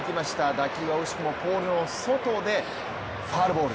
打球は惜しくもポールの外でファウルボール。